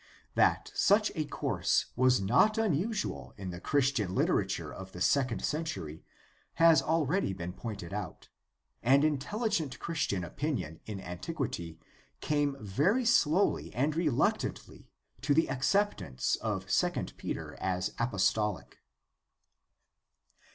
That such a course was not unusual in the Christian literature of the second century has already been pointed out, and intel ligent Christian opinion in antiquity came very slowly and reluctantly to the acceptance of II Peter as apostolic.